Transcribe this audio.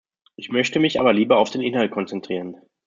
Ich möchte mich aber lieber auf den Inhalt konzentrieren.